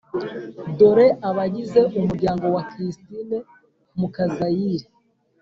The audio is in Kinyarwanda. dore abagize umuryango wa christine mukazayire